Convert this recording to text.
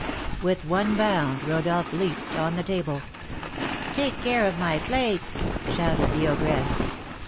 With one bound Rodolph leaped on the table. "Take care of my plates!" shouted the ogress.